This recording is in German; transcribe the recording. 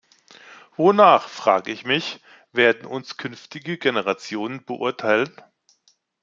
Wonach, frage ich mich, werden uns künftige Generationen beurteilen?